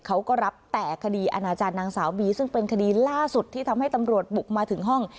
เขาก็รับแต่คดีอาณาจารย์นางสาวบีซึ่งเป็นคดีล่าสุดที่ทำให้ตำรวจบุกมาถึงห้อง